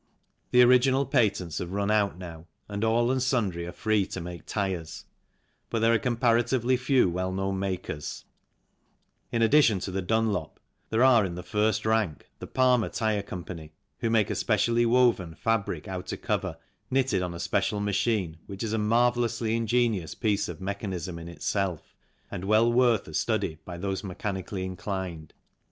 The original patents have run out now and all and sundry are free to make tyres, but there are comparatively few well known makers. In addition to the Dunlop, there are in the first rank the Palmer Tyre Co., who make a specially woven fabric outer cover knitted on a special machine which is a marvellously ingenious piece of mechanism in itself and well worth a study by those mechanically inclined.